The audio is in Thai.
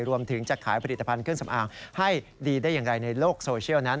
รวมถึงจะขายผลิตภัณฑ์เครื่องสำอางให้ดีได้อย่างไรในโลกโซเชียลนั้น